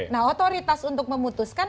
nah otoritas untuk memutuskan